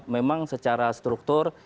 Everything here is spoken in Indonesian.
memang secara struktur